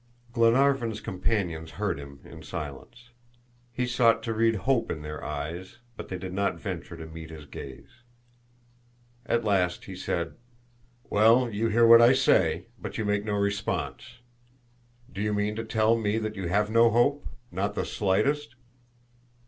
Glenarvan's companions heard him in silence. He sought to read hope in their eyes, but they did not venture to meet his gaze. At last he said, "Well, you hear what I say, but you make no response. Do you mean to tell me that you have no hope not the slightest?"